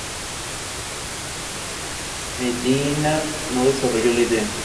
Pero esta finalidad política se truncó en las primeras elecciones nacionales.